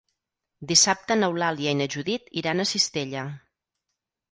Dissabte n'Eulàlia i na Judit iran a Cistella.